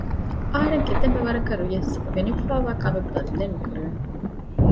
އަހަރެން ކިތަންމެ ވަރަށް ރުޔަސް ވެނިމިފައިވާ ކަމެއް ބަދަލެއް ނުކުރެވޭނެ